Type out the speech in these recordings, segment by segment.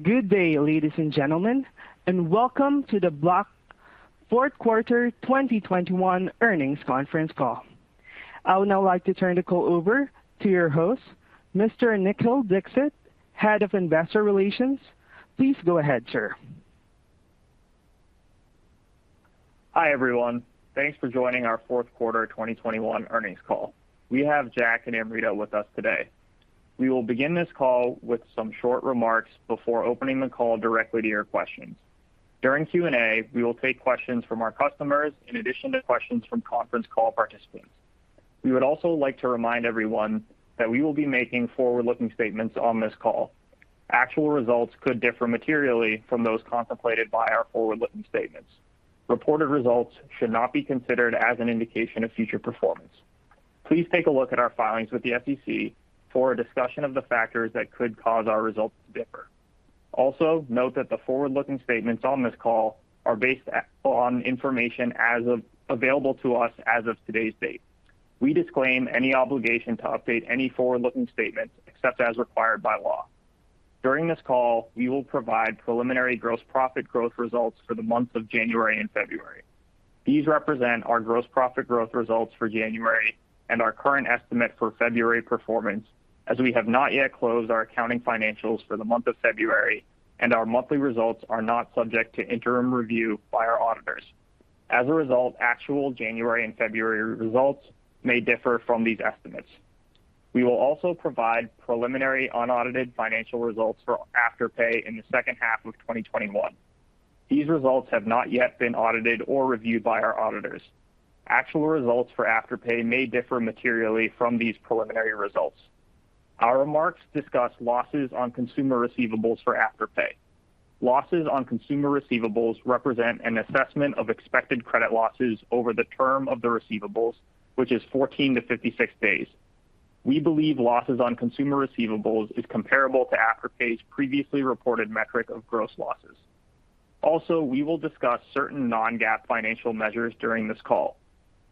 Good day, ladies and gentlemen, and welcome to the Block fourth quarter 2021 earnings conference call. I would now like to turn the call over to your host, Mr. Nikhil Dixit, Head of Investor Relations. Please go ahead, sir. Hi, everyone. Thanks for joining our fourth quarter 2021 earnings call. We have Jack and Amrita with us today. We will begin this call with some short remarks before opening the call directly to your questions. During Q&A, we will take questions from our customers in addition to questions from conference call participants. We would also like to remind everyone that we will be making forward-looking statements on this call. Actual results could differ materially from those contemplated by our forward-looking statements. Reported results should not be considered as an indication of future performance. Please take a look at our filings with the SEC for a discussion of the factors that could cause our results to differ. Also, note that the forward-looking statements on this call are based on information available to us as of today's date. We disclaim any obligation to update any forward-looking statements except as required by law. During this call, we will provide preliminary gross profit growth results for the months of January and February. These represent our gross profit growth results for January and our current estimate for February performance, as we have not yet closed our accounting financials for the month of February, and our monthly results are not subject to interim review by our auditors. As a result, actual January and February results may differ from these estimates. We will also provide preliminary unaudited financial results for Afterpay in the second half of 2021. These results have not yet been audited or reviewed by our auditors. Actual results for Afterpay may differ materially from these preliminary results. Our remarks discuss losses on consumer receivables for Afterpay. Losses on consumer receivables represent an assessment of expected credit losses over the term of the receivables, which is 14-56 days. We believe losses on consumer receivables is comparable to Afterpay's previously reported metric of gross losses. Also, we will discuss certain non-GAAP financial measures during this call.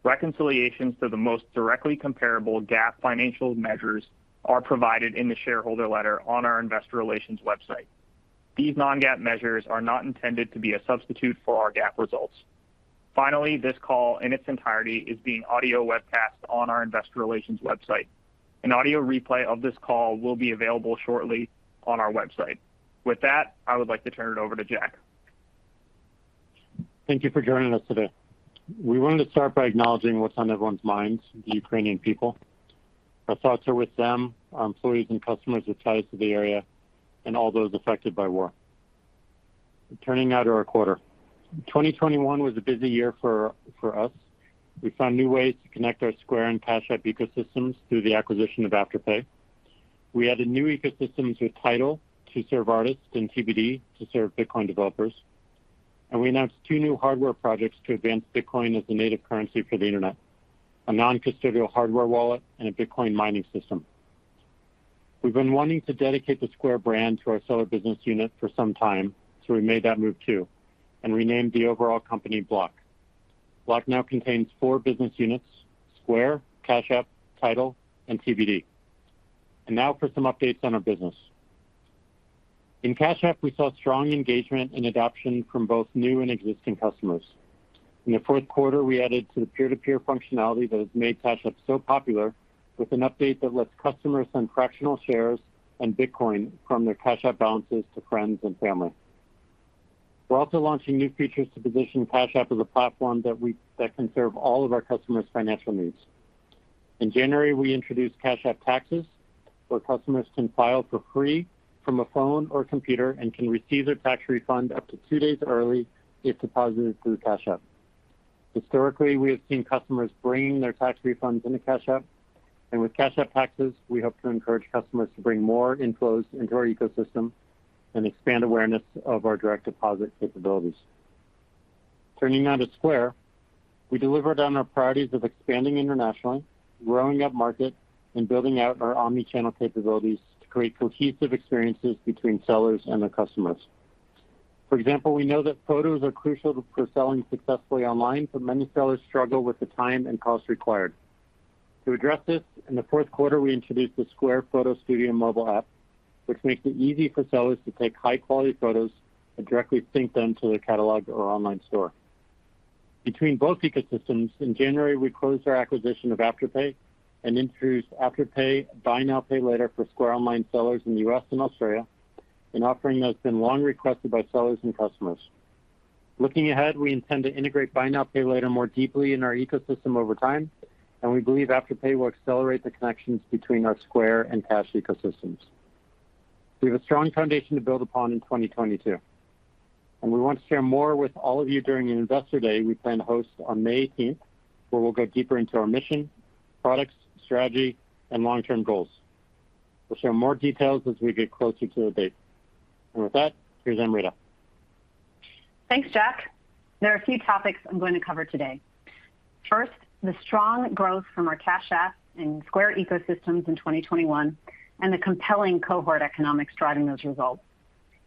Reconciliations to the most directly comparable GAAP financial measures are provided in the shareholder letter on our investor relations website. These non-GAAP measures are not intended to be a substitute for our GAAP results. Finally, this call in its entirety is being audio webcast on our investor relations website. An audio replay of this call will be available shortly on our website. With that, I would like to turn it over to Jack. Thank you for joining us today. We wanted to start by acknowledging what's on everyone's minds, the Ukrainian people. Our thoughts are with them, our employees and customers with ties to the area, and all those affected by war. Turning now to our quarter. 2021 was a busy year for us. We found new ways to connect our Square and Cash App ecosystems through the acquisition of Afterpay. We added new ecosystems with TIDAL to serve artists and TBD to serve Bitcoin developers. We announced two new hardware projects to advance Bitcoin as the native currency for the internet, a non-custodial hardware wallet and a Bitcoin mining system. We've been wanting to dedicate the Square brand to our seller business unit for some time, so we made that move too and renamed the overall company Block. Block now contains four business units, Square, Cash App, TIDAL, and TBD. Now for some updates on our business. In Cash App, we saw strong engagement and adoption from both new and existing customers. In the fourth quarter, we added to the peer-to-peer functionality that has made Cash App so popular with an update that lets customers send fractional shares and Bitcoin from their Cash App balances to friends and family. We're also launching new features to position Cash App as a platform that can serve all of our customers' financial needs. In January, we introduced Cash App Taxes, where customers can file for free from a phone or computer and can receive their tax refund up to two days early if deposited through Cash App. Historically, we have seen customers bringing their tax refunds into Cash App, and with Cash App Taxes, we hope to encourage customers to bring more inflows into our ecosystem and expand awareness of our direct deposit capabilities. Turning now to Square. We delivered on our priorities of expanding internationally, growing up market, and building out our omni-channel capabilities to create cohesive experiences between sellers and their customers. For example, we know that photos are crucial for selling successfully online, but many sellers struggle with the time and cost required. To address this, in the fourth quarter, we introduced the Square Photo Studio mobile app, which makes it easy for sellers to take high-quality photos and directly sync them to their catalog or online store. Between both ecosystems, in January, we closed our acquisition of Afterpay and introduced Afterpay Buy Now, Pay Later for Square Online sellers in the U.S. and Australia, an offering that's been long requested by sellers and customers. Looking ahead, we intend to integrate Buy Now, Pay Later more deeply in our ecosystem over time, and we believe Afterpay will accelerate the connections between our Square and Cash ecosystems. We have a strong foundation to build upon in 2022, and we want to share more with all of you during an Investor Day we plan to host on May 18th, where we'll go deeper into our mission, products, strategy, and long-term goals. We'll share more details as we get closer to the date. With that, here's Amrita. Thanks, Jack. There are a few topics I'm going to cover today. First, the strong growth from our Cash App and Square ecosystems in 2021 and the compelling cohort economics driving those results.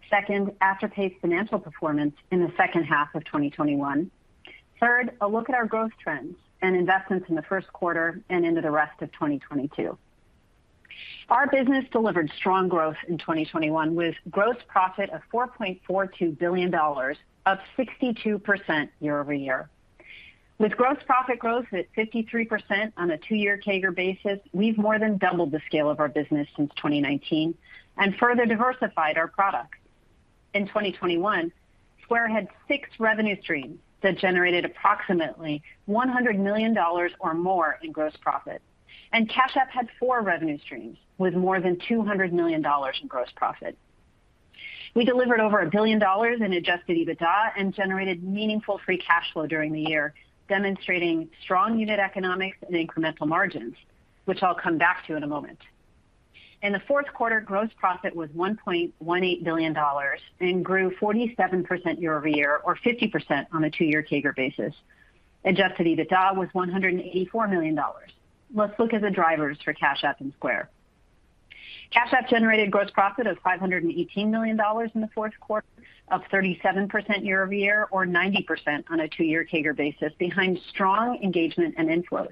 Second, Afterpay's financial performance in the second half of 2021. Third, a look at our growth trends and investments in the first quarter and into the rest of 2022. Our business delivered strong growth in 2021, with gross profit of $4.42 billion, up 62% year-over-year. With gross profit growth at 53% on a two-year CAGR basis, we've more than doubled the scale of our business since 2019, and further diversified our products. In 2021, Square had six revenue streams that generated approximately $100 million or more in gross profit. Cash App had four revenue streams with more than $200 million in gross profit. We delivered over $1 billion in adjusted EBITDA and generated meaningful free cash flow during the year, demonstrating strong unit economics and incremental margins, which I'll come back to in a moment. In the fourth quarter, gross profit was $1.18 billion and grew 47% year-over-year or 50% on a two-year CAGR basis. Adjusted EBITDA was $184 million. Let's look at the drivers for Cash App and Square. Cash App generated gross profit of $518 million in the fourth quarter, up 37% year-over-year or 90% on a two-year CAGR basis behind strong engagement and inflows.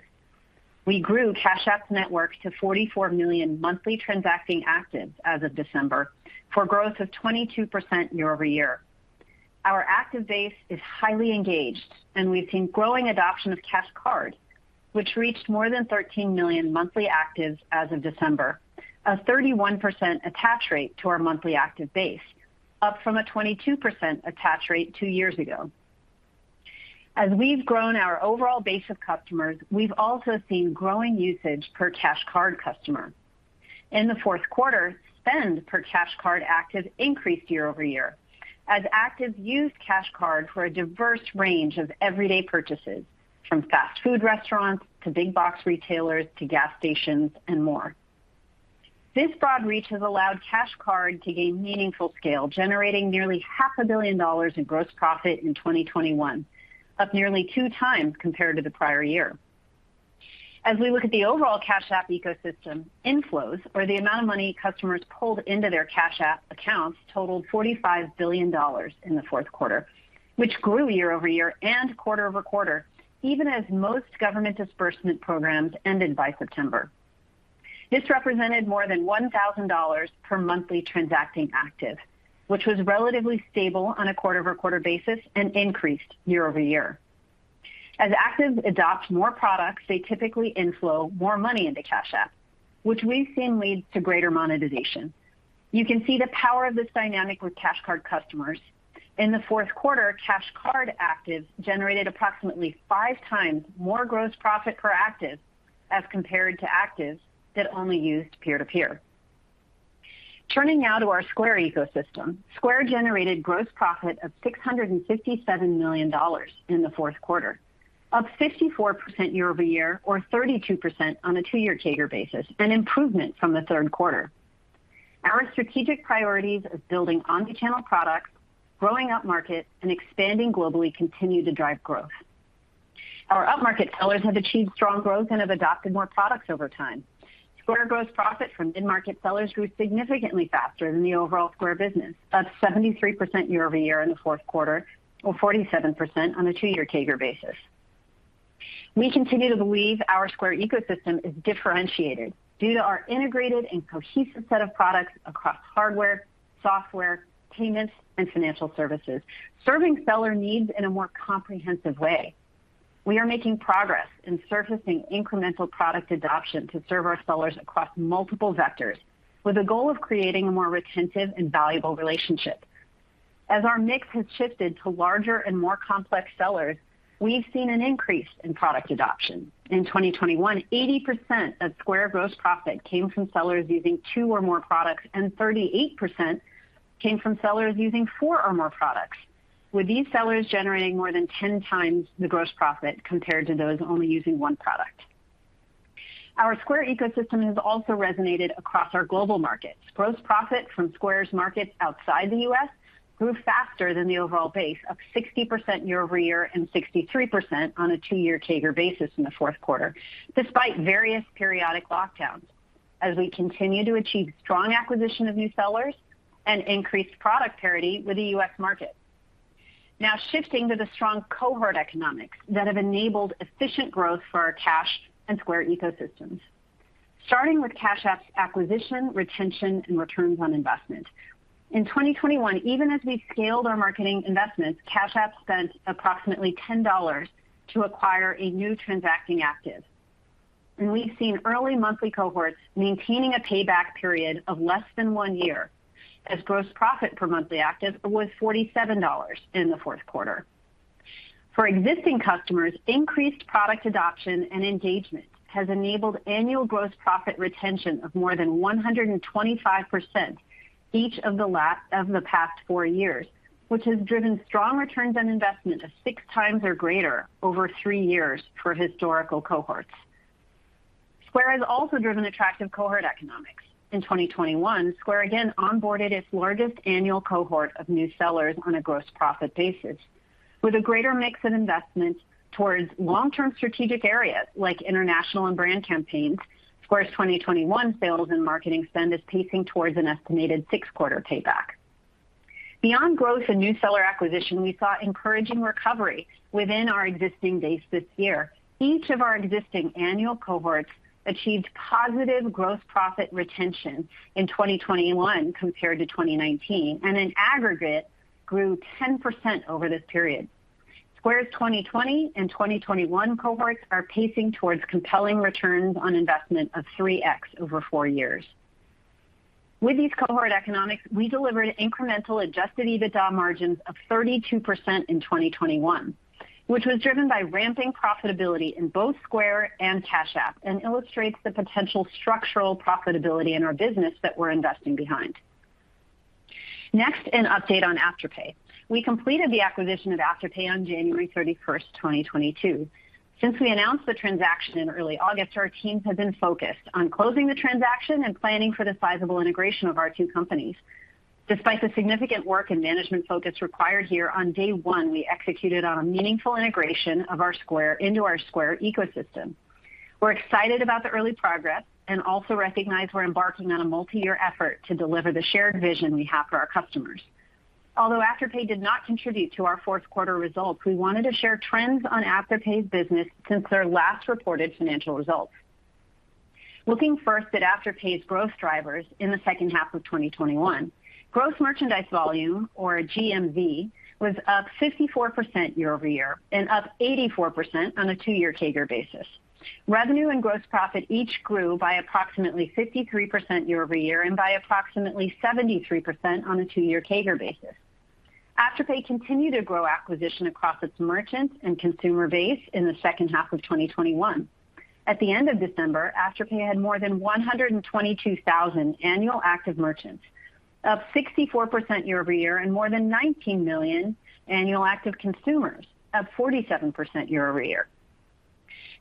We grew Cash App's network to 44 million monthly transacting actives as of December for growth of 22% year-over-year. Our active base is highly engaged, and we've seen growing adoption of Cash Card, which reached more than 13 million monthly actives as of December. A 31% attach rate to our monthly active base, up from a 22% attach rate two years ago. As we've grown our overall base of customers, we've also seen growing usage per Cash Card customer. In the fourth quarter, spend per Cash Card active increased year-over-year as actives used Cash Card for a diverse range of everyday purchases, from fast food restaurants to big box retailers to gas stations and more. This broad reach has allowed Cash Card to gain meaningful scale, generating nearly half a billion dollars in gross profit in 2021, up nearly 2x compared to the prior year. As we look at the overall Cash App ecosystem, inflows or the amount of money customers pulled into their Cash App accounts totaled $45 billion in the fourth quarter, which grew year-over-year and quarter-over-quarter, even as most government disbursement programs ended by September. This represented more than $1,000 per monthly transacting active, which was relatively stable on a quarter-over-quarter basis and increased year-over-year. As actives adopt more products, they typically inflow more money into Cash App, which we've seen leads to greater monetization. You can see the power of this dynamic with Cash Card customers. In the fourth quarter, Cash Card actives generated approximately 5x more gross profit per active as compared to actives that only used peer-to-peer. Turning now to our Square ecosystem. Square generated gross profit of $657 million in the fourth quarter, up 54% year-over-year or 32% on a two-year CAGR basis, an improvement from the third quarter. Our strategic priorities of building omni-channel products, growing up-market, and expanding globally continue to drive growth. Our up-market sellers have achieved strong growth and have adopted more products over time. Square gross profit from mid-market sellers grew significantly faster than the overall Square business, up 73% year-over-year in the fourth quarter, or 47% on a two-year CAGR basis. We continue to believe our Square ecosystem is differentiated due to our integrated and cohesive set of products across hardware, software, payments, and financial services, serving seller needs in a more comprehensive way. We are making progress in surfacing incremental product adoption to serve our sellers across multiple vectors with the goal of creating a more retentive and valuable relationship. As our mix has shifted to larger and more complex sellers, we've seen an increase in product adoption. In 2021, 80% of Square gross profit came from sellers using 2 or more products, and 38% came from sellers using four or more products, with these sellers generating more than 10x the gross profit compared to those only using one product. Our Square ecosystem has also resonated across our global markets. Gross profit from Square's markets outside the U.S. grew faster than the overall pace of 60% year-over-year and 63% on a two-year CAGR basis in the fourth quarter, despite various periodic lockdowns as we continue to achieve strong acquisition of new sellers and increase product parity with the U.S. market. Now shifting to the strong cohort economics that have enabled efficient growth for our Cash and Square ecosystems. Starting with Cash App's acquisition, retention, and returns on investment. In 2021, even as we scaled our marketing investments, Cash App spent approximately $10 to acquire a new transacting active. We've seen early monthly cohorts maintaining a payback period of less than 1 year as gross profit per monthly active was $47 in the fourth quarter. For existing customers, increased product adoption and engagement has enabled annual gross profit retention of more than 125% each of the past four years, which has driven strong returns on investment of 6x or greater over 3 years for historical cohorts. Square has also driven attractive cohort economics. In 2021, Square again onboarded its largest annual cohort of new sellers on a gross profit basis. With a greater mix of investment towards long-term strategic areas like international and brand campaigns, Square's 2021 sales and marketing spend is pacing towards an estimated six-quarter payback. Beyond growth and new seller acquisition, we saw encouraging recovery within our existing base this year. Each of our existing annual cohorts achieved positive gross profit retention in 2021 compared to 2019, and in aggregate grew 10% over this period. Square's 2020 and 2021 cohorts are pacing towards compelling returns on investment of 3x over 4 years. With these cohort economics, we delivered incremental adjusted EBITDA margins of 32% in 2021, which was driven by ramping profitability in both Square and Cash App, and illustrates the potential structural profitability in our business that we're investing behind. Next, an update on Afterpay. We completed the acquisition of Afterpay on January 31, 2022. Since we announced the transaction in early August, our teams have been focused on closing the transaction and planning for the sizable integration of our two companies. Despite the significant work and management focus required here, on day one, we executed on a meaningful integration of our Square into our Square ecosystem. We're excited about the early progress and also recognize we're embarking on a multi-year effort to deliver the shared vision we have for our customers. Although Afterpay did not contribute to our fourth quarter results, we wanted to share trends on Afterpay's business since their last reported financial results. Looking first at Afterpay's growth drivers in the second half of 2021. Gross merchandise volume or GMV was up 54% year-over-year and up 84% on a two-year CAGR basis. Revenue and gross profit each grew by approximately 53% year-over-year and by approximately 73% on a two-year CAGR basis. Afterpay continued to grow acquisition across its merchants and consumer base in the second half of 2021. At the end of December, Afterpay had more than 122,000 annual active merchants, up 64% year-over-year, and more than 19 million annual active consumers, up 47% year-over-year.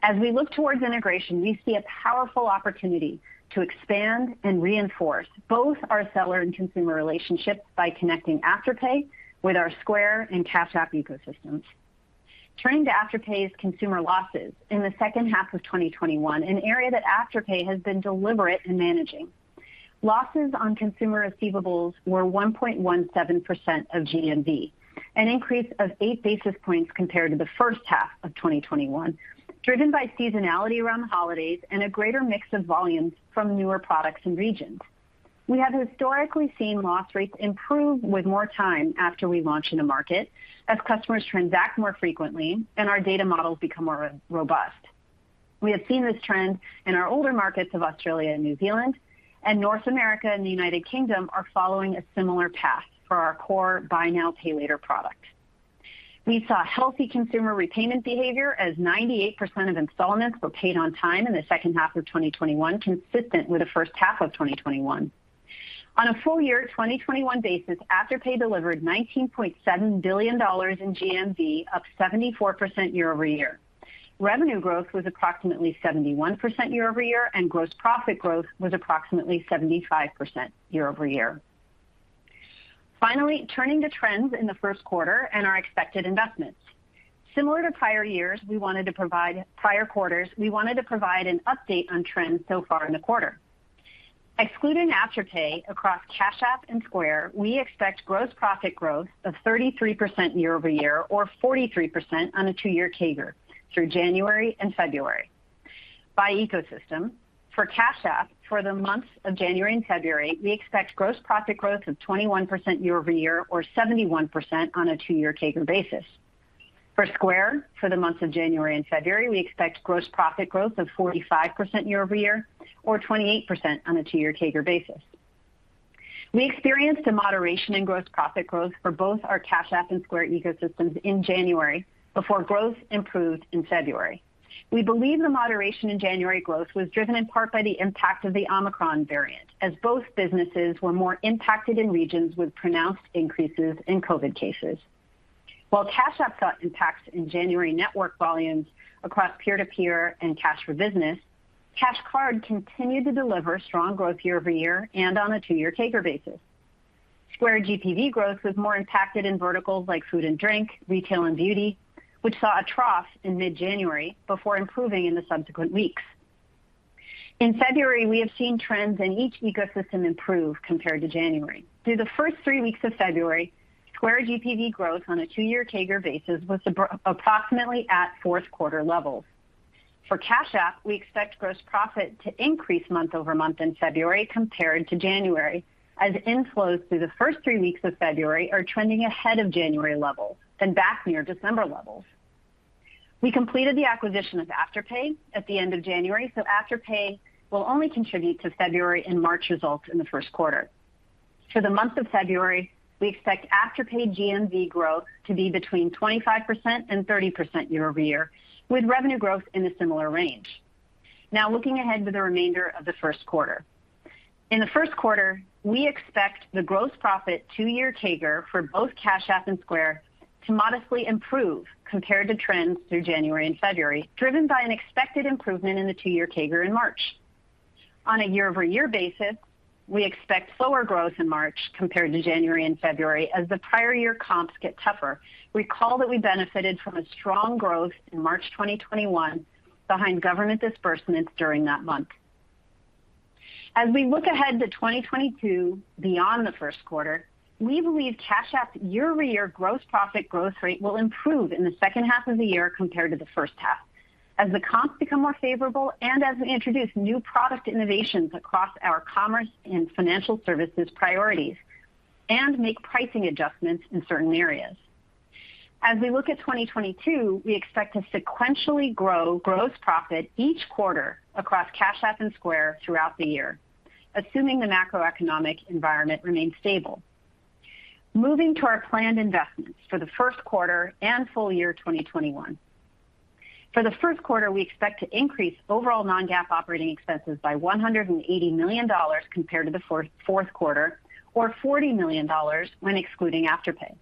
As we look towards integration, we see a powerful opportunity to expand and reinforce both our seller and consumer relationships by connecting Afterpay with our Square and Cash App ecosystems. Turning to Afterpay's consumer losses in the second half of 2021, an area that Afterpay has been deliberate in managing. Losses on consumer receivables were 1.17% of GMV, an increase of 8 basis points compared to the first half of 2021, driven by seasonality around the holidays and a greater mix of volumes from newer products and regions. We have historically seen loss rates improve with more time after we launch in a market as customers transact more frequently and our data models become more robust. We have seen this trend in our older markets of Australia and New Zealand, and North America and the United Kingdom are following a similar path for our core Buy Now, Pay Later product. We saw healthy consumer repayment behavior as 98% of installments were paid on time in the second half of 2021, consistent with the first half of 2021. On a full-year 2021 basis, Afterpay delivered $19.7 billion in GMV, up 74% year-over-year. Revenue growth was approximately 71% year-over-year, and gross profit growth was approximately 75% year-over-year. Finally, turning to trends in the first quarter and our expected investments. Similar to prior years, prior quarters, we wanted to provide an update on trends so far in the quarter. Excluding Afterpay across Cash App and Square, we expect gross profit growth of 33% year-over-year or 43% on a two-year CAGR through January and February. By ecosystem, for Cash App, for the months of January and February, we expect gross profit growth of 21% year-over-year or 71% on a two-year CAGR basis. For Square, for the months of January and February, we expect gross profit growth of 45% year-over-year or 28% on a two-year CAGR basis. We experienced a moderation in gross profit growth for both our Cash App and Square ecosystems in January before growth improved in February. We believe the moderation in January growth was driven in part by the impact of the Omicron variant, as both businesses were more impacted in regions with pronounced increases in COVID cases. While Cash App saw impacts in January network volumes across peer-to-peer and cash for business, Cash Card continued to deliver strong growth year-over-year and on a two-year CAGR basis. Square GPV growth was more impacted in verticals like food and drink, retail and beauty, which saw a trough in mid-January before improving in the subsequent weeks. In February, we have seen trends in each ecosystem improve compared to January. Through the first three weeks of February, Square GPV growth on a two-year CAGR basis was approximately at fourth quarter levels. For Cash App, we expect gross profit to increase month-over-month in February compared to January, as inflows through the first three weeks of February are trending ahead of January levels and back near December levels. We completed the acquisition of Afterpay at the end of January, so Afterpay will only contribute to February and March results in the first quarter. For the month of February, we expect Afterpay GMV growth to be between 25% and 30% year-over-year, with revenue growth in a similar range. Now looking ahead to the remainder of the first quarter. In the first quarter, we expect the gross profit two-year CAGR for both Cash App and Square to modestly improve compared to trends through January and February, driven by an expected improvement in the two-year CAGR in March. On a year-over-year basis, we expect slower growth in March compared to January and February as the prior year comps get tougher. Recall that we benefited from a strong growth in March 2021 behind government disbursements during that month. As we look ahead to 2022 beyond the first quarter, we believe Cash App year-over-year gross profit growth rate will improve in the second half of the year compared to the first half as the comps become more favorable and as we introduce new product innovations across our commerce and financial services priorities and make pricing adjustments in certain areas. As we look at 2022, we expect to sequentially grow gross profit each quarter across Cash App and Square throughout the year, assuming the macroeconomic environment remains stable. Moving to our planned investments for the first quarter and full-year 2021. For the first quarter, we expect to increase overall non-GAAP operating expenses by $180 million compared to the fourth quarter, or $40 million when excluding Afterpay.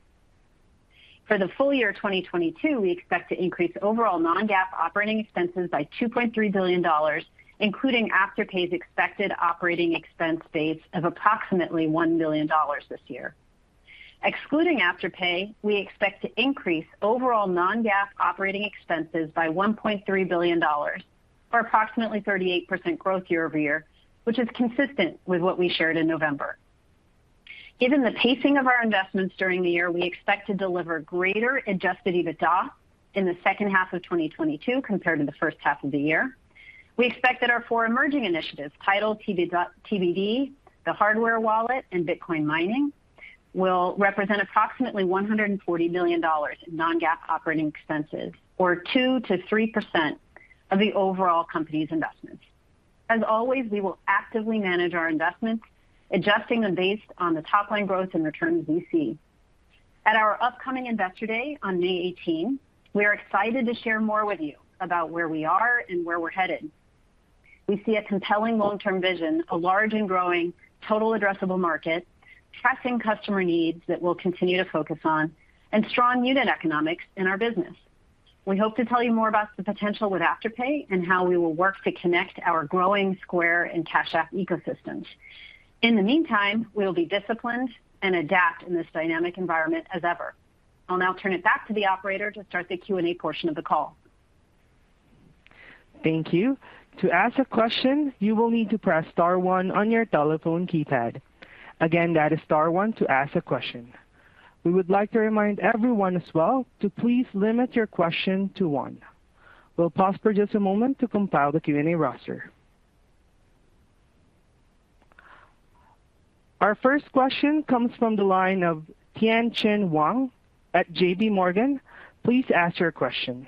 For the full-year 2022, we expect to increase overall non-GAAP operating expenses by $2.3 billion, including Afterpay's expected operating expense base of approximately $1 billion this year. Excluding Afterpay, we expect to increase overall non-GAAP operating expenses by $1.3 billion or approximately 38% growth year-over-year, which is consistent with what we shared in November. Given the pacing of our investments during the year, we expect to deliver greater adjusted EBITDA in the second half of 2022 compared to the first half of the year. We expect that our four emerging initiatives, TIDAL, TBD, the hardware wallet, and Bitcoin mining, will represent approximately $140 million in non-GAAP operating expenses or 2%-3% of the overall company's investments. As always, we will actively manage our investments, adjusting them based on the top line growth and returns we see. At our upcoming Investor Day on May 18, we are excited to share more with you about where we are and where we're headed. We see a compelling long-term vision, a large and growing total addressable market, pressing customer needs that we'll continue to focus on, and strong unit economics in our business. We hope to tell you more about the potential with Afterpay and how we will work to connect our growing Square and Cash App ecosystems. In the meantime, we will be disciplined and adapt in this dynamic environment as ever. I'll now turn it back to the operator to start the Q&A portion of the call. Thank you. To ask a question, you will need to press star one on your telephone keypad. Again, that is star one to ask a question. We would like to remind everyone as well to please limit your question to one. We'll pause for just a moment to compile the Q&A roster. Our first question comes from the line of Tien-Tsin Huang at J.P. Morgan. Please ask your question.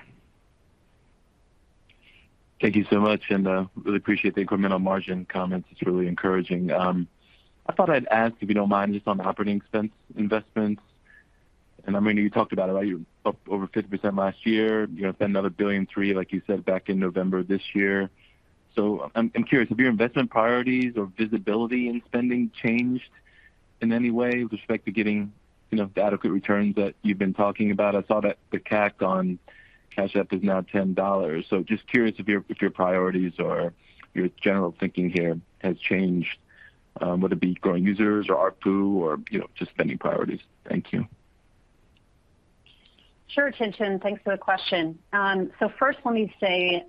Thank you so much, and really appreciate the incremental margin comments. It's really encouraging. I thought I'd ask, if you don't mind, just on the operating expense investments. I mean, you talked about it, about it up over 50% last year. You're going to spend another $1.3 billion, like you said, back in November of this year. I'm curious, have your investment priorities or visibility in spending changed in any way with respect to getting, you know, the adequate returns that you've been talking about? I saw that the CAC on Cash App is now $10. Just curious if your priorities or your general thinking here has changed, whether it be growing users or ARPU or, you know, just spending priorities. Thank you. Sure, Tien-Tsin. Thanks for the question. First let me say,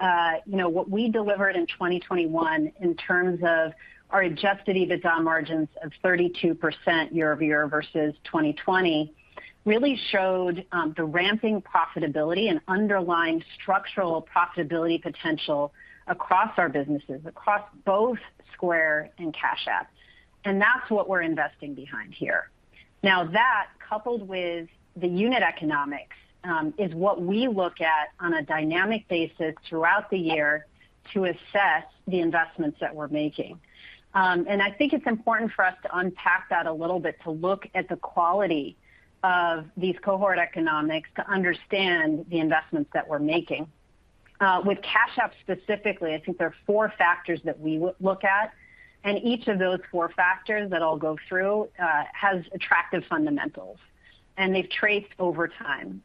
you know, what we delivered in 2021 in terms of our adjusted EBITDA margins of 32% year-over-year versus 2020 really showed the ramping profitability and underlying structural profitability potential across our businesses, across both Square and Cash App. That's what we're investing behind here. Now that coupled with the unit economics is what we look at on a dynamic basis throughout the year to assess the investments that we're making. I think it's important for us to unpack that a little bit to look at the quality of these cohort economics to understand the investments that we're making. With Cash App specifically, I think there are four factors that we look at, and each of those four factors that I'll go through has attractive fundamentals, and they've trended over time.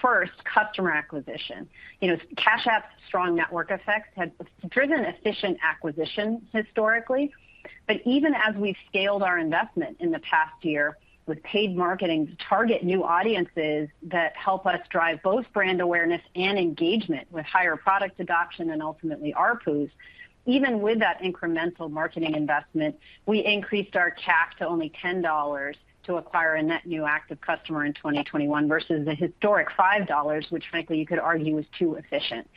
First, customer acquisition. You know, Cash App's strong network effects have driven efficient acquisition historically. Even as we've scaled our investment in the past year with paid marketing to target new audiences that help us drive both brand awareness and engagement with higher product adoption and ultimately ARPUs, even with that incremental marketing investment, we increased our CAC to only $10 to acquire a net new active customer in 2021 versus the historic $5, which frankly you could argue was too efficient.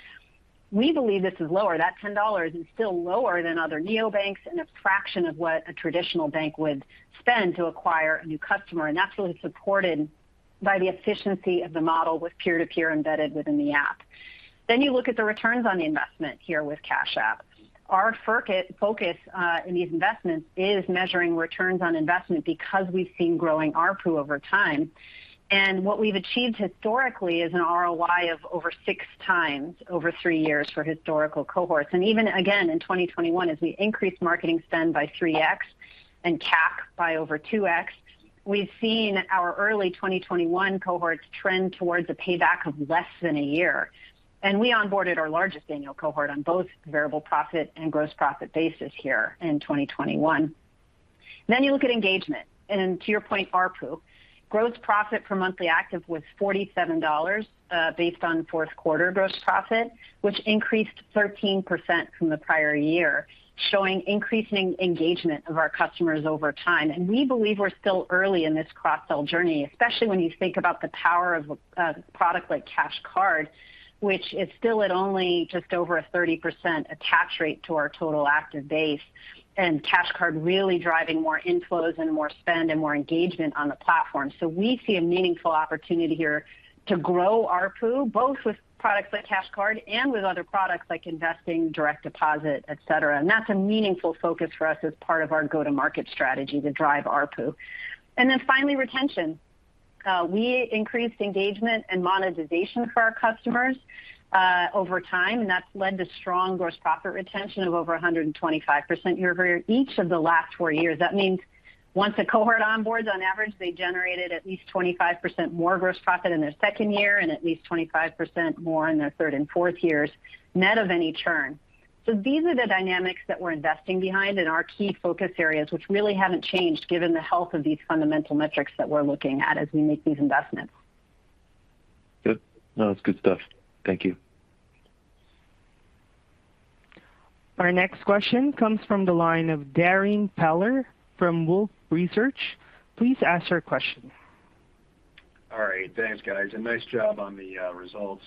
We believe this is lower. That $10 is still lower than other neobanks and a fraction of what a traditional bank would spend to acquire a new customer. That's really supported by the efficiency of the model with peer-to-peer embedded within the app. You look at the returns on the investment here with Cash App. Our focus in these investments is measuring returns on investment because we've seen growing ARPU over time. What we've achieved historically is an ROI of over 6x over three years for historical cohorts. Even again, in 2021, as we increased marketing spend by 3x and CAC by over 2x, we've seen our early 2021 cohorts trend towards a payback of less than a year. We onboarded our largest annual cohort on both variable profit and gross profit basis here in 2021. You look at engagement. To your point, ARPU, gross profit per monthly active was $47 based on fourth quarter gross profit, which increased 13% from the prior year, showing increasing engagement of our customers over time. We believe we're still early in this cross-sell journey, especially when you think about the power of a product like Cash Card, which is still at only just over a 30% attach rate to our total active base, and Cash Card really driving more inflows and more spend and more engagement on the platform. We see a meaningful opportunity here to grow ARPU, both with products like Cash Card and with other products like investing, direct deposit, et cetera. That's a meaningful focus for us as part of our go-to-market strategy to drive ARPU. Finally, retention. We increased engagement and monetization for our customers over time, and that's led to strong gross profit retention of over 125% year-over-year, each of the last four years. That means once a cohort onboards, on average, they generated at least 25% more gross profit in their second year and at least 25% more in their third and fourth years, net of any churn. These are the dynamics that we're investing behind and our key focus areas, which really haven't changed given the health of these fundamental metrics that we're looking at as we make these investments. Good. No, that's good stuff. Thank you. Our next question comes from the line of Darrin Peller from Wolfe Research. Please ask your question. All right. Thanks, guys, and nice job on the results.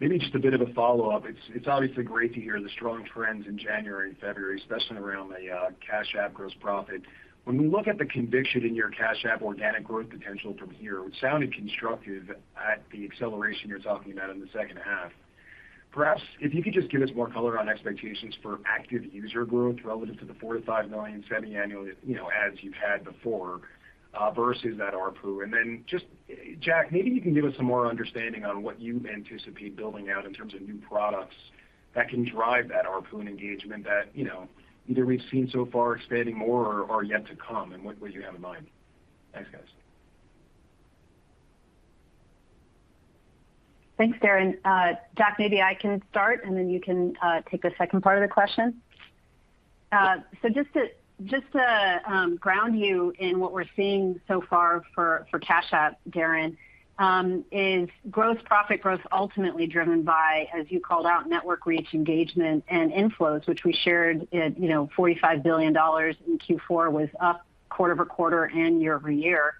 Maybe just a bit of a follow-up. It's obviously great to hear the strong trends in January and February, especially around the Cash App gross profit. When we look at the conviction in your Cash App organic growth potential from here, which sounded constructive at the acceleration you're talking about in the second half, perhaps if you could just give us more color on expectations for active user growth relative to the four-five million semi-annual, you know, adds you've had before versus that ARPU? Just, Jack, maybe you can give us some more understanding on what you anticipate building out in terms of new products that can drive that ARPU and engagement that, you know, either we've seen so far expanding more or yet to come, and what you have in mind. Thanks, guys. Thanks, Darrin. Jack, maybe I can start, and then you can take the second part of the question. So just to ground you in what we're seeing so far for Cash App, Darrin, is gross profit growth ultimately driven by, as you called out, network reach, engagement and inflows, which we shared at, you know, $45 billion in Q4, was up quarter-over-quarter and year-over-year.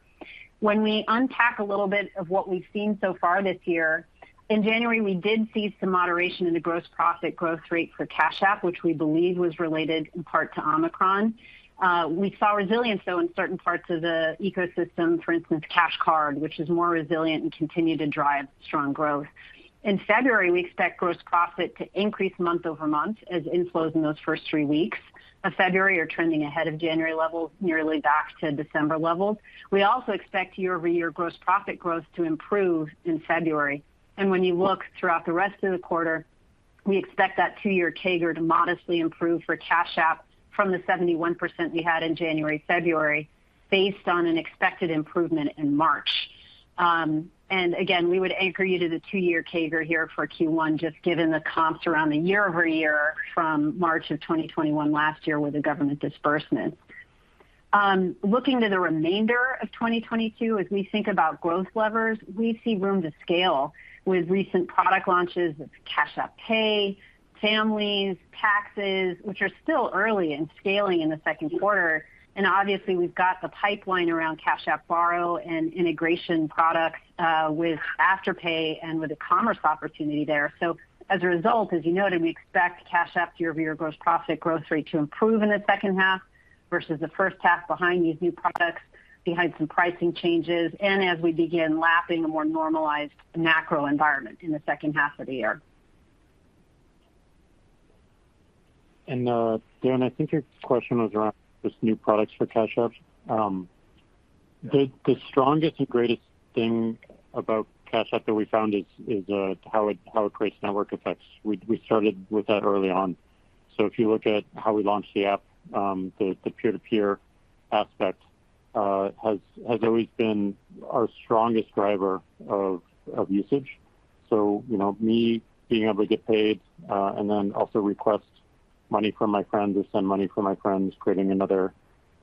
When we unpack a little bit of what we've seen so far this year, in January, we did see some moderation in the gross profit growth rate for Cash App, which we believe was related in part to Omicron. We saw resilience, though, in certain parts of the ecosystem, for instance, Cash Card, which is more resilient and continued to drive strong growth. In February, we expect gross profit to increase month-over-month as inflows in those first three weeks of February are trending ahead of January levels, nearly back to December levels. We also expect year-over-year gross profit growth to improve in February. When you look throughout the rest of the quarter, we expect that two-year CAGR to modestly improve for Cash App from the 71% we had in January, February based on an expected improvement in March. Again, we would anchor you to the two-year CAGR here for Q1, just given the comps around the year-over-year from March of 2021 last year with the government disbursement. Looking to the remainder of 2022, as we think about growth levers, we see room to scale with recent product launches of Cash App Pay, families, taxes, which are still early in scaling in the second quarter. Obviously we've got the pipeline around Cash App Borrow and integration products, with Afterpay and with the commerce opportunity there. As a result, as you noted, we expect Cash App year-over-year gross profit growth rate to improve in the second half versus the first half behind these new products, behind some pricing changes and as we begin lapping a more normalized macro environment in the second half of the year. Darrin, I think your question was around just new products for Cash App. The strongest and greatest thing about Cash App that we found is how it creates network effects. We started with that early on. If you look at how we launched the app, the peer-to-peer aspect has always been our strongest driver of usage. You know, me being able to get paid and then also request money from my friends or send money for my friends, creating another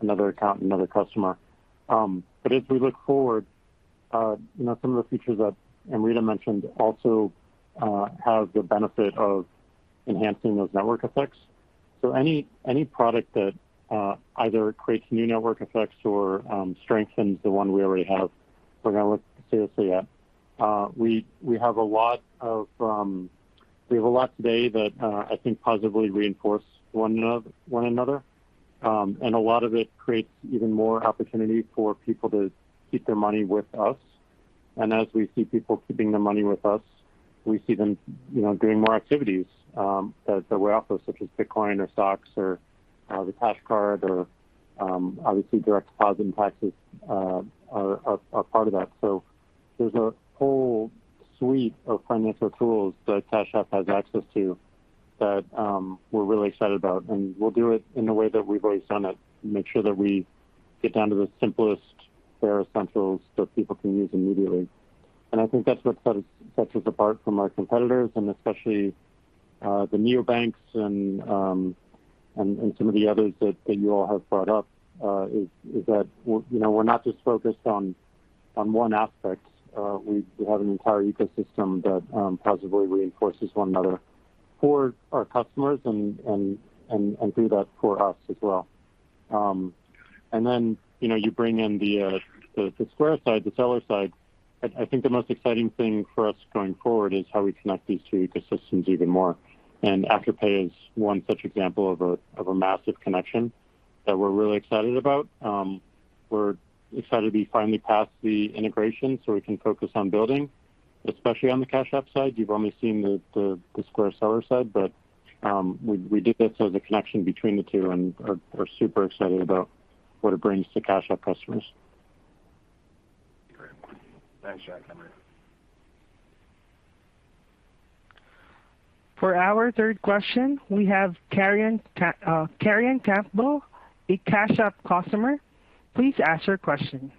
account, another customer. As we look forward, you know, some of the features that Amrita mentioned also have the benefit of enhancing those network effects. Any product that either creates new network effects or strengthens the one we already have, we're gonna look seriously at. We have a lot today that I think positively reinforce one another. A lot of it creates even more opportunity for people to keep their money with us. As we see people keeping their money with us, we see them, you know, doing more activities that we offer, such as Bitcoin or stocks or the Cash Card or obviously direct deposit and taxes are part of that. There's a whole suite of financial tools that Cash App has access to that we're really excited about, and we'll do it in the way that we've always done it, make sure that we get down to the simplest core essentials that people can use immediately. I think that's what sets us apart from our competitors, and especially the neobanks and some of the others that you all have brought up is that we're, you know, we're not just focused on one aspect. We have an entire ecosystem that positively reinforces one another for our customers and through that for us as well. You know, you bring in the Square side, the seller side. I think the most exciting thing for us going forward is how we connect these two ecosystems even more. Afterpay is one such example of a massive connection that we're really excited about. We're excited to be finally past the integration so we can focus on building, especially on the Cash App side. You've only seen the Square seller side, but we did this as a connection between the two and we're super excited about what it brings to Cash App customers. Great. Thanks, Jack, Amrita. For our third question, we have Karen Campbell, a Cash App customer. Please ask your question.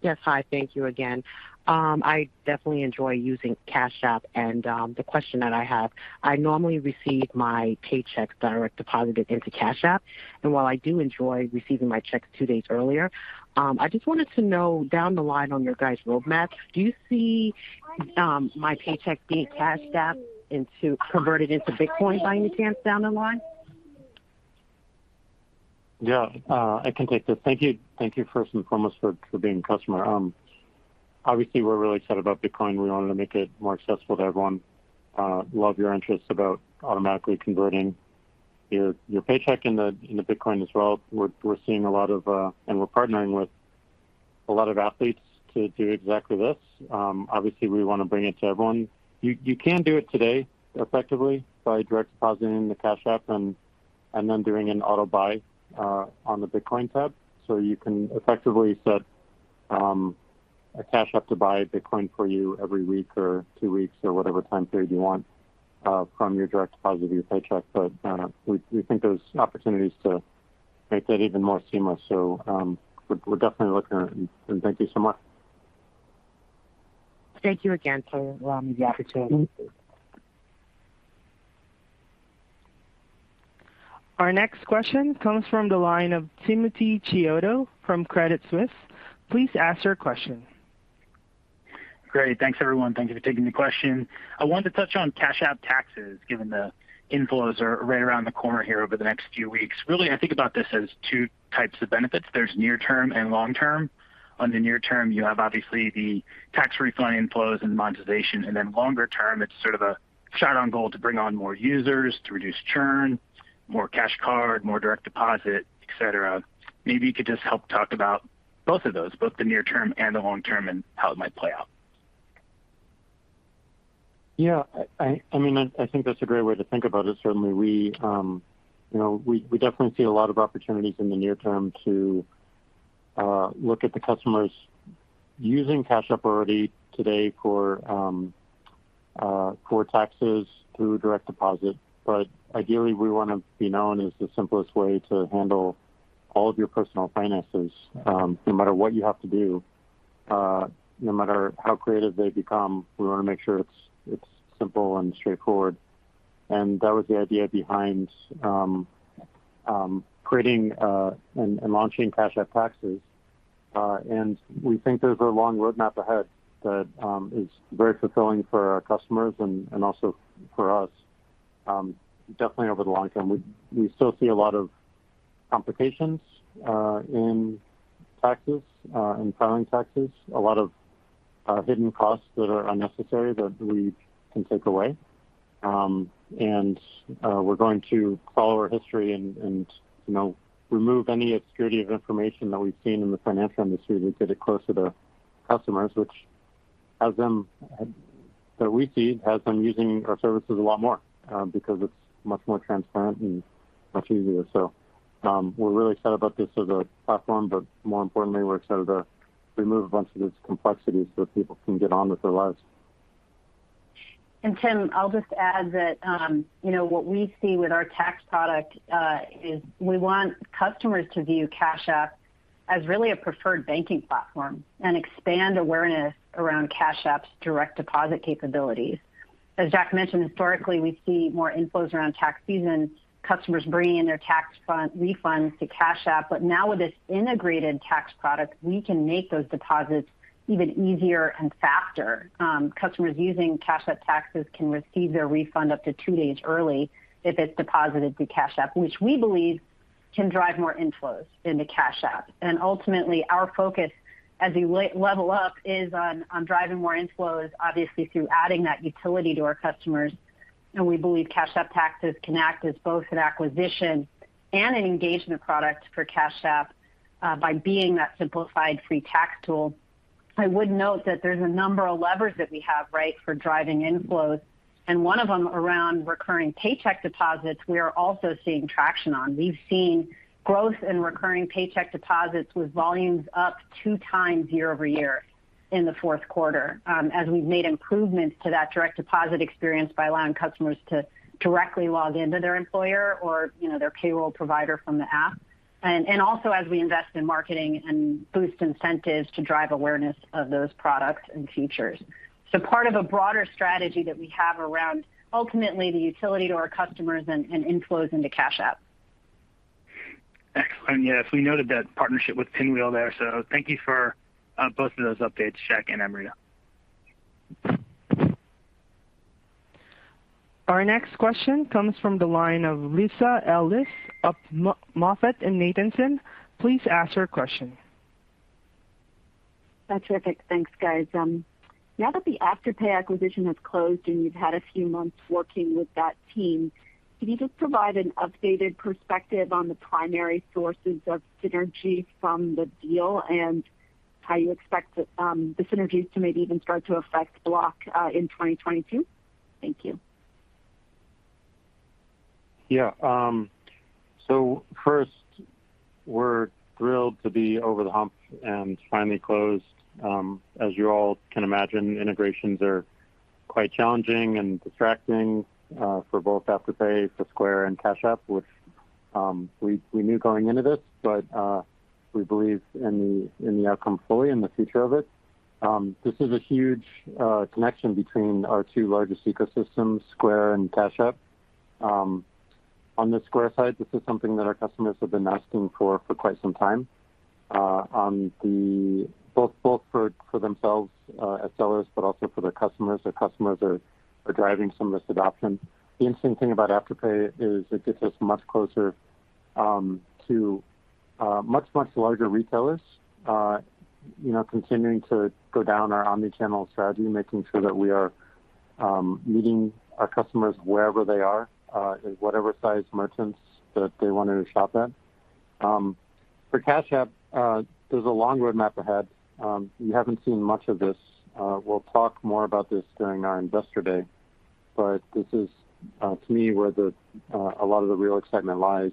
Yes. Hi, thank you again. I definitely enjoy using Cash App. The question that I have, I normally receive my paycheck direct deposited into Cash App, and while I do enjoy receiving my checks two days earlier, I just wanted to know down the line on your guys' roadmaps, do you see my paycheck being cashed out converted into Bitcoin by any chance down the line? Yeah, I can take this. Thank you. Thank you first and foremost for being a customer. Obviously we're really excited about Bitcoin. We wanted to make it more accessible to everyone. Love your interests about automatically converting your paycheck into Bitcoin as well. We're seeing a lot of, and we're partnering with a lot of athletes to do exactly this. Obviously we wanna bring it to everyone. You can do it today effectively by direct depositing the Cash App and then doing an auto buy on the Bitcoin tab. So you can effectively set a Cash App to buy Bitcoin for you every week or two weeks or whatever time period you want from your direct deposit of your paycheck. We think there's opportunities to make that even more seamless. We're definitely looking at it and thank you so much. Thank you again for the opportunity. Our next question comes from the line of Timothy Chiodo from Credit Suisse. Please ask your question. Great. Thanks everyone. Thank you for taking the question. I wanted to touch on Cash App Taxes, given the inflows are right around the corner here over the next few weeks. Really, I think about this as two types of benefits. There's near term and long-term. On the near term you have obviously the tax refund inflows and monetization, and then longer-term it's sort of a shot on goal to bring on more users, to reduce churn, more Cash Card, more direct deposit, et cetera. Maybe you could just help talk about both of those, both the near term and the long-term, and how it might play out. Yeah, I mean, I think that's a great way to think about it. Certainly we you know definitely see a lot of opportunities in the near term to look at the customers using Cash App already today for taxes through direct deposit. But ideally we wanna be known as the simplest way to handle all of your personal finances, no matter what you have to do, no matter how creative they become, we wanna make sure it's simple and straightforward. That was the idea behind creating and launching Cash App Taxes. We think there's a long roadmap ahead that is very fulfilling for our customers and also for us. Definitely over the long-term, we still see a lot of complications in taxes in filing taxes, a lot of hidden costs that are unnecessary that we can take away. We're going to follow our history and you know, remove any obscurity of information that we've seen in the financial industry that get it closer to customers, which has them, that we see, has them using our services a lot more because it's much more transparent and much easier. We're really excited about this as a platform, but more importantly, we're excited to remove a bunch of this complexity so that people can get on with their lives. Tim, I'll just add that, what we see with our tax product, is we want customers to view Cash App as really a preferred banking platform and expand awareness around Cash App's direct deposit capabilities. As Jack mentioned, historically, we see more inflows around tax season, customers bringing in their tax refunds to Cash App, but now with this integrated tax product, we can make those deposits even easier and faster. Customers using Cash App Taxes can receive their refund up to two days early if it's deposited to Cash App, which we believe can drive more inflows into Cash App. Ultimately our focus as we level up is on driving more inflows obviously through adding that utility to our customers. We believe Cash App Taxes can act as both an acquisition and an engagement product for Cash App by being that simplified free tax tool. I would note that there's a number of levers that we have, right, for driving inflows and one of them around recurring paycheck deposits we are also seeing traction on. We've seen growth in recurring paycheck deposits with volumes up 2x year-over-year in the fourth quarter as we've made improvements to that direct deposit experience by allowing customers to directly log into their employer or, you know, their payroll provider from the app and also as we invest in marketing and Boost incentives to drive awareness of those products and features. Part of a broader strategy that we have around ultimately the utility to our customers and inflows into Cash App. Yes, we noted that partnership with Pinwheel there. Thank you for both of those updates, Jack and Amrita. Our next question comes from the line of Lisa Ellis of MoffettNathanson. Please ask your question. That's perfect. Thanks, guys. Now that the Afterpay acquisition has closed and you've had a few months working with that team, can you just provide an updated perspective on the primary sources of synergy from the deal and how you expect the synergies to maybe even start to affect Block in 2022? Thank you. Yeah. So first, we're thrilled to be over the hump and finally closed. As you all can imagine, integrations are quite challenging and distracting for both Afterpay, for Square and Cash App, which we knew going into this, but we believe in the outcome fully and the future of it. This is a huge connection between our two largest ecosystems, Square and Cash App. On the Square side, this is something that our customers have been asking for for quite some time, both for themselves as sellers, but also for their customers. Their customers are driving some of this adoption. The interesting thing about Afterpay is it gets us much closer to much larger retailers, you know, continuing to go down our omni-channel strategy, making sure that we are meeting our customers wherever they are, at whatever size merchants that they want to shop at. For Cash App, there's a long road map ahead. You haven't seen much of this. We'll talk more about this during our Investor Day, but this is, to me, where a lot of the real excitement lies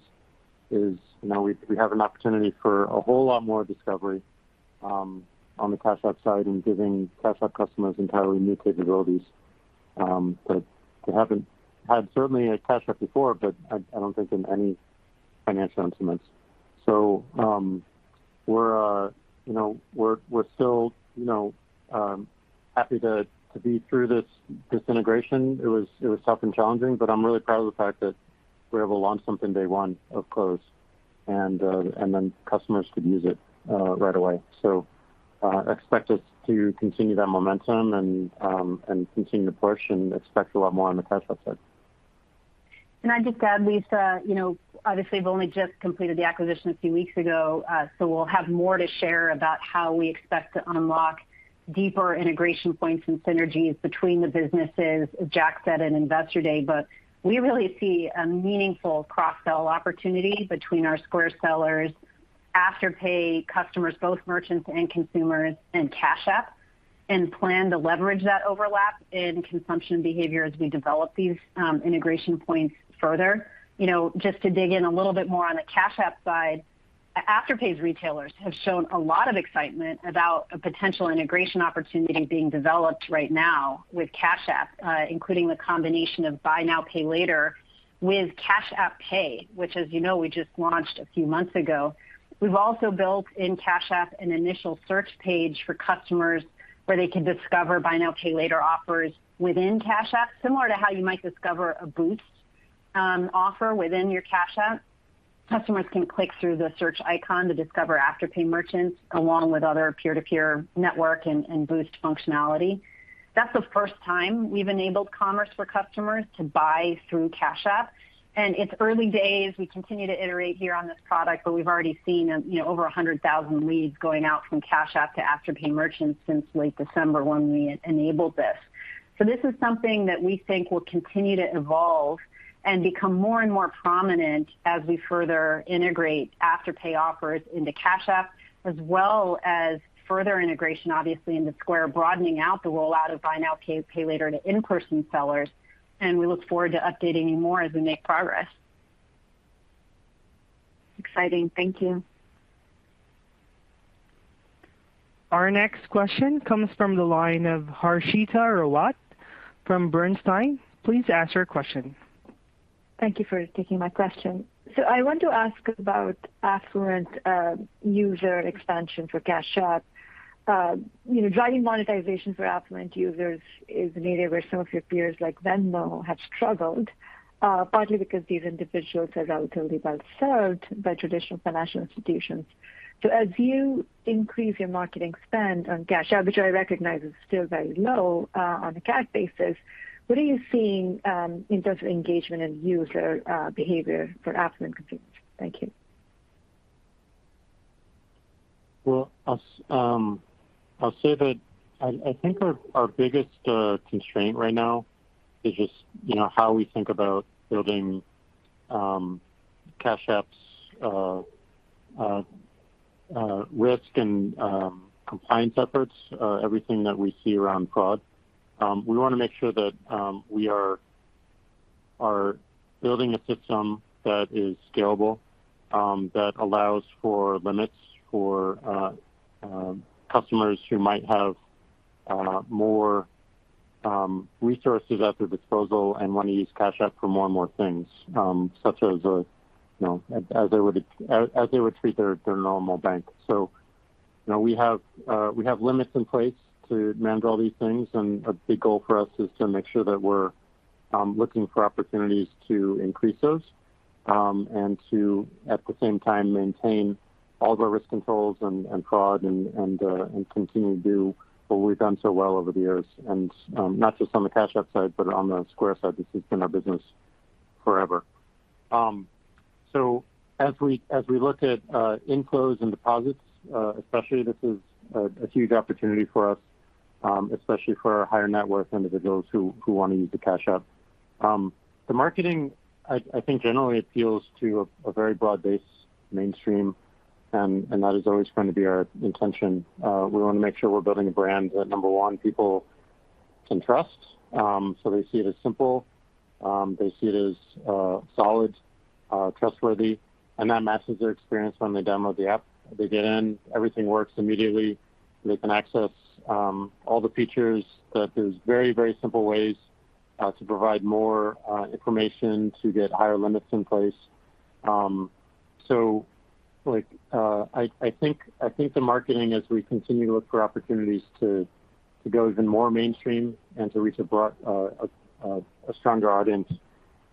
is, you know, we have an opportunity for a whole lot more discovery on the Cash App side and giving Cash App customers entirely new capabilities that they haven't had certainly at Cash App before, but I don't think in any financial instruments. We're you know still you know happy to be through this integration. It was tough and challenging, but I'm really proud of the fact that we were able to launch something day one of close and then customers could use it right away. Expect us to continue that momentum and continue to push and expect a lot more on the Cash App side. Can I just add, Lisa, you know, obviously we've only just completed the acquisition a few weeks ago, so we'll have more to share about how we expect to unlock deeper integration points and synergies between the businesses, as Jack said at Investor Day. We really see a meaningful cross-sell opportunity between our Square sellers, Afterpay customers, both merchants and consumers, and Cash App, and plan to leverage that overlap in consumption behavior as we develop these integration points further. You know, just to dig in a little bit more on the Cash App side, Afterpay's retailers have shown a lot of excitement about a potential integration opportunity being developed right now with Cash App, including the combination of buy now, pay later with Cash App Pay, which, as you know, we just launched a few months ago. We've also built in Cash App an initial search page for customers where they can discover buy now, pay later offers within Cash App, similar to how you might discover a Boost offer within your Cash App. Customers can click through the search icon to discover Afterpay merchants along with other peer-to-peer network and Boost functionality. That's the first time we've enabled commerce for customers to buy through Cash App, and it's early days. We continue to iterate here on this product, but we've already seen, you know, over 100,000 leads going out from Cash App to Afterpay merchants since late December when we enabled this. This is something that we think will continue to evolve and become more and more prominent as we further integrate Afterpay offers into Cash App, as well as further integration, obviously, into Square, broadening out the rollout of Buy Now, Pay Later to in-person sellers. We look forward to updating you more as we make progress. Exciting. Thank you. Our next question comes from the line of Harshita Rawat from Bernstein. Please ask your question. Thank you for taking my question. I want to ask about affluent user expansion for Cash App. You know, driving monetization for affluent users is an area where some of your peers, like Venmo, have struggled, partly because these individuals are relatively well served by traditional financial institutions. As you increase your marketing spend on Cash App, which I recognize is still very low, on a CAC basis, what are you seeing in terms of engagement and user behavior for affluent consumers? Thank you. Well, I'll say that I think our biggest constraint right now is just, you know, how we think about building Cash App's risk and compliance efforts, everything that we see around fraud. We wanna make sure that we are building a system that is scalable, that allows for limits for customers who might have more resources at their disposal and wanna use Cash App for more and more things, such as, you know, as they would treat their normal bank. Now we have limits in place to manage all these things, and a big goal for us is to make sure that we're looking for opportunities to increase those, and to, at the same time, maintain all of our risk controls and fraud and continue to do what we've done so well over the years. Not just on the Cash App side, but on the Square side. This has been our business forever. As we look at inflows and deposits, especially this is a huge opportunity for us, especially for our higher net worth individuals who want to use the Cash App. The marketing, I think generally appeals to a very broad-based mainstream, and that is always going to be our intention. We wanna make sure we're building a brand that, one, people can trust, so they see it as simple, they see it as solid, trustworthy, and that matches their experience when they download the app. They get in, everything works immediately. They can access all the features that there's very, very simple ways to provide more information to get higher limits in place. Like, I think the marketing as we continue to look for opportunities to go even more mainstream and to reach a stronger audience,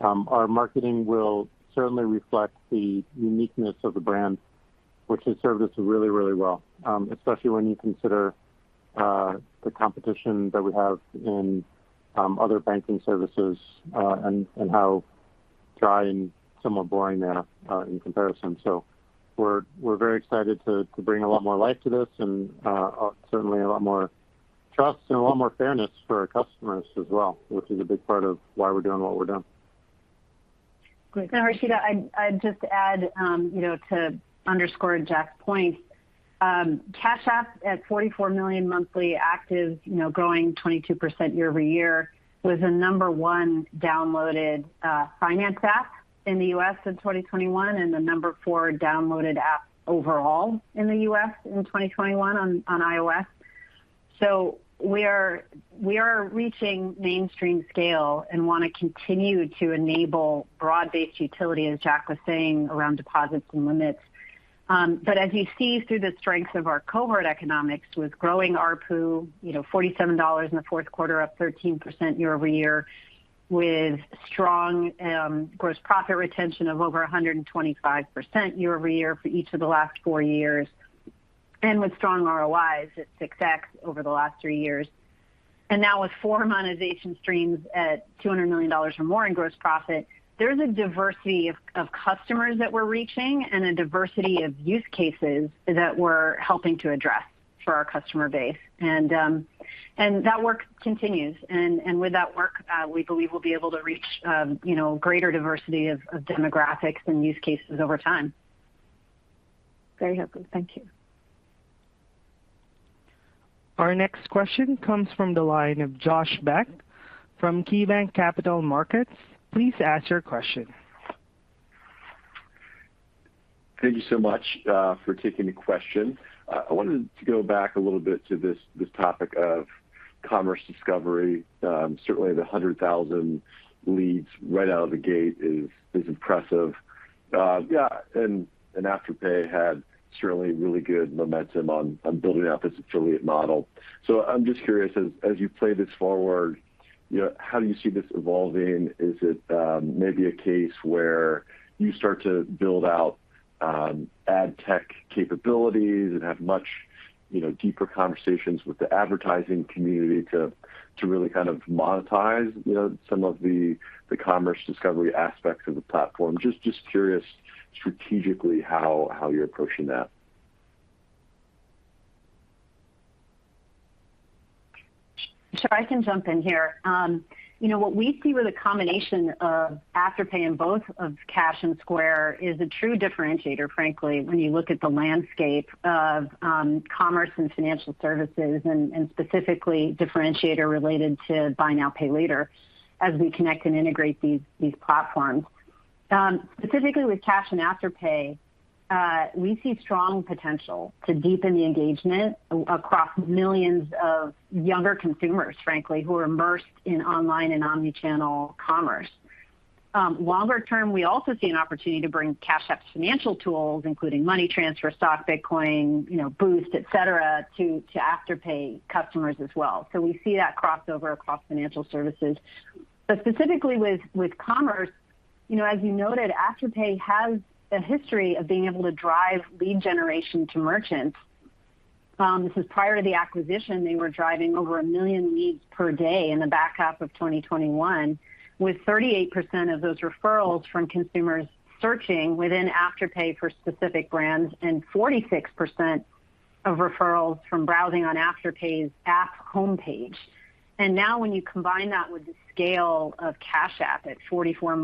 our marketing will certainly reflect the uniqueness of the brand, which has served us really, really well, especially when you consider the competition that we have in other banking services and how dry and somewhat boring they are in comparison. We're very excited to bring a lot more life to this and certainly a lot more trust and a lot more fairness for our customers as well, which is a big part of why we're doing what we're doing. Great. Harshita, I'd just add, you know, to underscore Jack's point, Cash App at 44 million monthly active, you know, growing 22% year-over-year, was the number one downloaded finance app in the U.S. in 2021, and the number four downloaded app overall in the U.S. in 2021 on iOS. We are reaching mainstream scale and wanna continue to enable broad-based utility, as Jack was saying, around deposits and limits. But as you see through the strengths of our cohort economics with growing ARPU, you know, $47 in the fourth quarter, up 13% year-over-year, with strong gross profit retention of over 125% year-over-year for each of the last four years, and with strong ROIs at 6x over the last three years. Now with four monetization streams at $200 million or more in gross profit, there is a diversity of customers that we're reaching and a diversity of use cases that we're helping to address for our customer base. That work continues. With that work, we believe we'll be able to reach, you know, greater diversity of demographics and use cases over time. Very helpful. Thank you. Our next question comes from the line of Josh Beck from KeyBanc Capital Markets. Please ask your question. Thank you so much for taking the question. I wanted to go back a little bit to this topic of commerce discovery. Certainly the 100,000 leads right out of the gate is impressive. Yeah, and Afterpay had certainly really good momentum on building out this affiliate model. I'm just curious, as you play this forward, you know, how do you see this evolving? Is it maybe a case where you start to build out ad tech capabilities and have much you know deeper conversations with the advertising community to really kind of monetize you know some of the commerce discovery aspects of the platform? Just curious strategically how you're approaching that. Sure. I can jump in here. You know what we see with a combination of Afterpay in both of Cash and Square is a true differentiator, frankly, when you look at the landscape of commerce and financial services and specifically differentiator related to buy now, pay later as we connect and integrate these platforms. Specifically with Cash and Afterpay, we see strong potential to deepen the engagement across millions of younger consumers, frankly, who are immersed in online and omni-channel commerce. Longer-term, we also see an opportunity to bring Cash App's financial tools, including money transfer, stock, Bitcoin, you know, Boost, et cetera, to Afterpay customers as well. We see that crossover across financial services. Specifically with commerce, you know, as you noted, Afterpay has a history of being able to drive lead generation to merchants. This is prior to the acquisition. They were driving over 1 million leads per day in the back half of 2021, with 38% of those referrals from consumers searching within Afterpay for specific brands and 46% of referrals from browsing on Afterpay's app homepage. Now when you combine that with the scale of Cash App at 44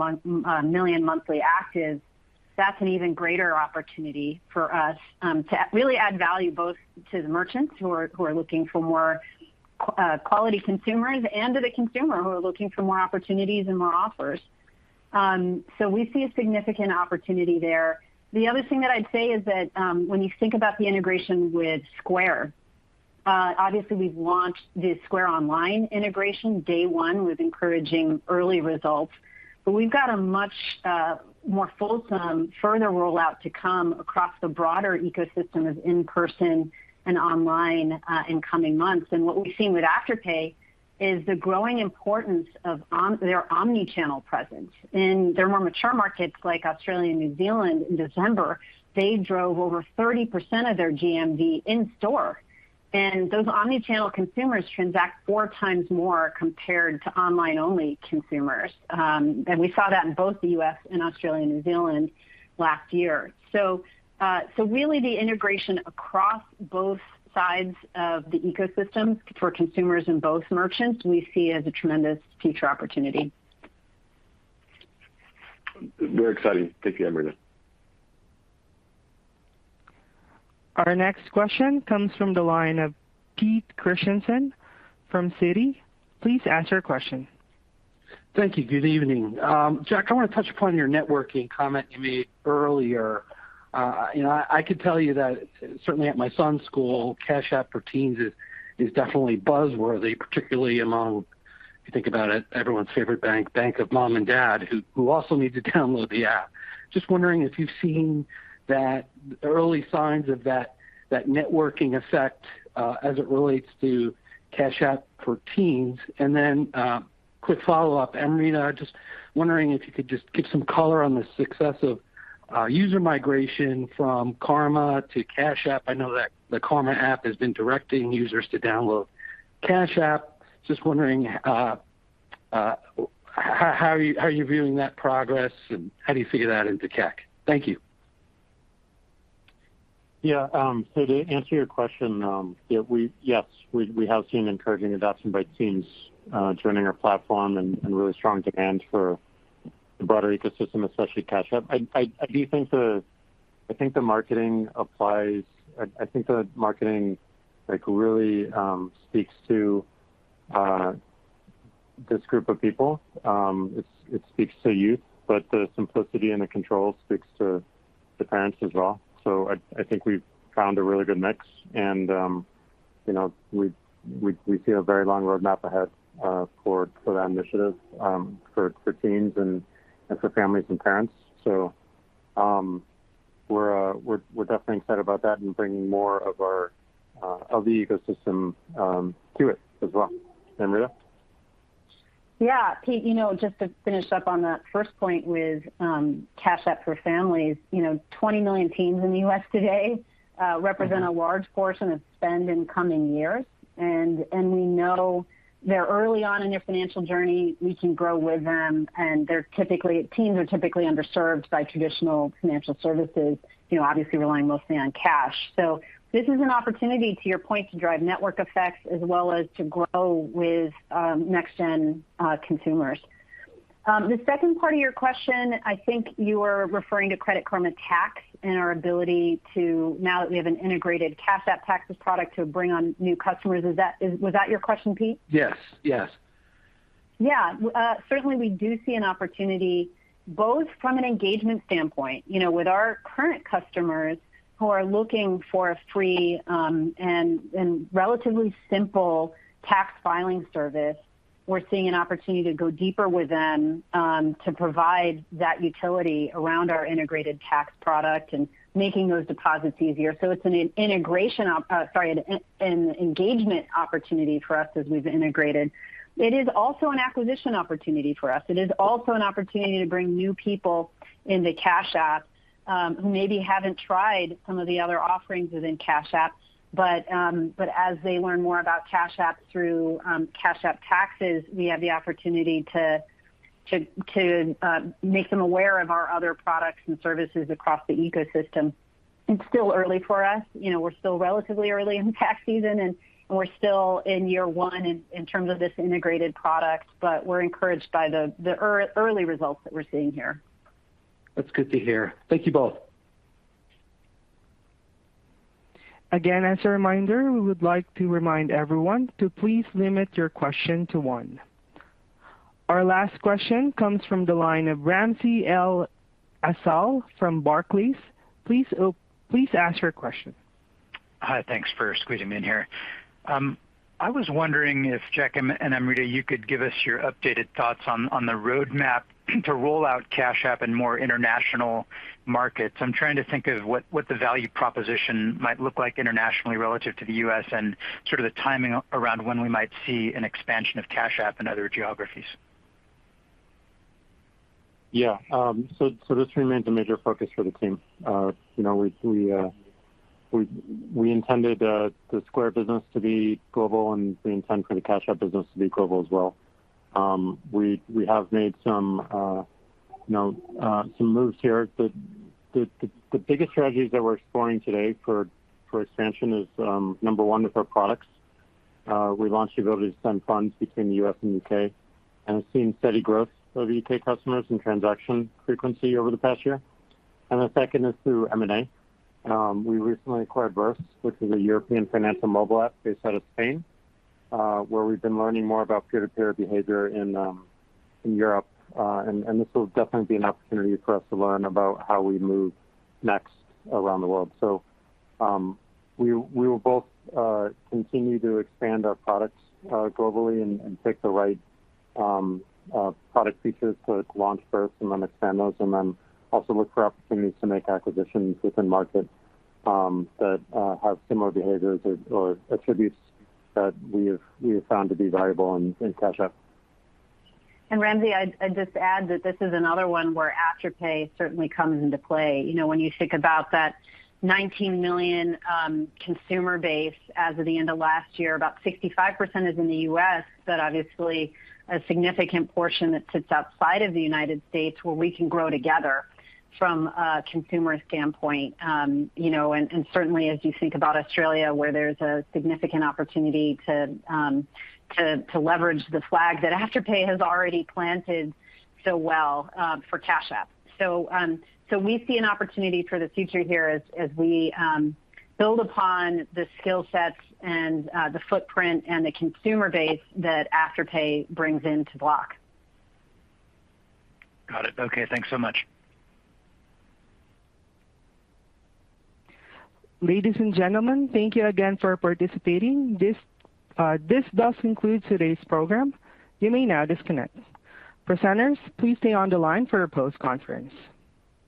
million monthly actives, that's an even greater opportunity for us, to really add value both to the merchants who are looking for more quality consumers and to the consumer who are looking for more opportunities and more offers. We see a significant opportunity there. The other thing that I'd say is that, when you think about the integration with Square. Obviously we've launched the Square Online integration day one with encouraging early results. We've got a much more fulsome further rollout to come across the broader ecosystem of in-person and online in coming months. What we've seen with Afterpay is the growing importance of their omni-channel presence. In their more mature markets, like Australia and New Zealand in December, they drove over 30% of their GMV in-store. Those omni-channel consumers transact 4x more compared to online only consumers. We saw that in both the U.S. and Australia and New Zealand last year. Really the integration across both sides of the ecosystem for consumers and both merchants, we see as a tremendous future opportunity. Very exciting. Thank you, Amrita. Our next question comes from the line of Pete Christiansen from Citi. Please ask your question. Thank you. Good evening. Jack, I wanna touch upon your networking comment you made earlier. You know, I could tell you that certainly at my son's school, Cash App for teens is definitely buzz-worthy, particularly among, if you think about it, everyone's favorite bank of mom and dad, who also need to download the app. Just wondering if you've seen that early signs of that networking effect as it relates to Cash App for teens. Quick follow-up, Amrita, just wondering if you could just give some color on the success of user migration from Karma to Cash App. I know that the Karma app has been directing users to download Cash App. Just wondering how are you viewing that progress, and how do you figure that into CAC? Thank you. Yeah. So to answer your question, yeah, yes, we have seen encouraging adoption by teens joining our platform and really strong demand for the broader ecosystem, especially Cash App. I do think the marketing applies. I think the marketing, like, really speaks to this group of people. It speaks to youth, but the simplicity and the control speaks to the parents as well. I think we've found a really good mix and, you know, we see a very long roadmap ahead for that initiative, for teens and for families and parents. We're definitely excited about that and bringing more of our ecosystem to it as well. Amrita? Yeah. Pete, you know, just to finish up on that first point with Cash App for families. You know, 20 million teens in the U.S. today represent a large portion of spend in coming years. We know they're early on in their financial journey. We can grow with them, and they're typically underserved by traditional financial services, you know, obviously relying mostly on cash. This is an opportunity, to your point, to drive network effects as well as to grow with next gen consumers. The second part of your question, I think you are referring to Credit Karma Tax and our ability to, now that we have an integrated Cash App Taxes product, to bring on new customers. Was that your question, Pete? Yes. Yes. Yeah. Certainly we do see an opportunity both from an engagement standpoint, you know, with our current customers who are looking for a free and relatively simple tax filing service. We're seeing an opportunity to go deeper with them, to provide that utility around our integrated tax product and making those deposits easier. It's an engagement opportunity for us as we've integrated. It is also an acquisition opportunity for us. It is also an opportunity to bring new people into Cash App, who maybe haven't tried some of the other offerings within Cash App. As they learn more about Cash App through Cash App Taxes, we have the opportunity to make them aware of our other products and services across the ecosystem. It's still early for us. You know, we're still relatively early in tax season, and we're still in year one in terms of this integrated product, but we're encouraged by the early results that we're seeing here. That's good to hear. Thank you both. Again, as a reminder, we would like to remind everyone to please limit your question to one. Our last question comes from the line of Ramsey El-Assal from Barclays. Please ask your question. Hi. Thanks for squeezing me in here. I was wondering if Jack and Amrita, you could give us your updated thoughts on the roadmap to roll out Cash App in more international markets. I'm trying to think of what the value proposition might look like internationally relative to the U.S. and sort of the timing around when we might see an expansion of Cash App in other geographies. This remains a major focus for the team. You know, we intended the Square business to be global, and we intend for the Cash App business to be global as well. We have made some moves here. The biggest strategies that we're exploring today for expansion is number one with our products. We launched the ability to send funds between the U.S. and U.K., and we've seen steady growth of U.K. customers and transaction frequency over the past year. The second is through M&A. We recently acquired Verse, which is a European financial mobile app based out of Spain, where we've been learning more about peer-to-peer behavior in Europe. This will definitely be an opportunity for us to learn about how we move next around the world. We will both continue to expand our products globally and pick the right product features to launch first and then expand those, and then also look for opportunities to make acquisitions within markets that have similar behaviors or attributes that we have found to be valuable in Cash App. Ramsey, I'd just add that this is another one where Afterpay certainly comes into play. You know, when you think about that 19 million consumer base as of the end of last year, about 65% is in the U.S., but obviously a significant portion that sits outside of the United States where we can grow together from a consumer standpoint. You know, and certainly as you think about Australia, where there's a significant opportunity to leverage the flag that Afterpay has already planted so well for Cash App. We see an opportunity for the future here as we build upon the skill sets and the footprint and the consumer base that Afterpay brings into Block. Got it. Okay, thanks so much. Ladies and gentlemen, thank you again for participating. This does conclude today's program. You may now disconnect. Presenters, please stay on the line for a post-conference.